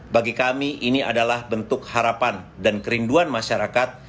bagi kami ini adalah bentuk harapan dan kerinduan masyarakat